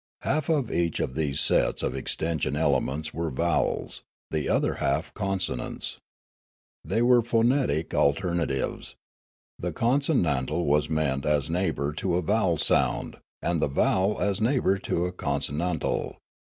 Half of each of these sets of extension elements were vowels, the other half consonants. They were phonetic alternatives ; the consonantal was meant as neighbour to a vowel sound, and the vowel as neighbour to a consonantal.